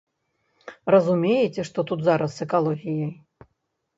Разумееце, што тут зараз з экалогіяй?